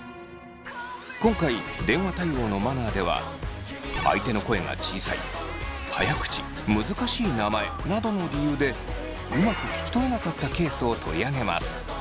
今回電話対応のマナーでは相手の声が小さい早口難しい名前などの理由でうまく聞き取れなかったケースを取り上げます。